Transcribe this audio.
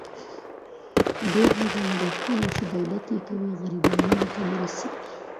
ډېر هغه لګښتونه، چې دولت یې کوي، غریبانو ته نه رسېږي.